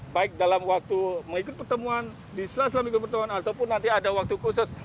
baik dalam waktu mengikuti pertemuan di selesai mengikuti pertemuan ataupun nanti ada waktu khusus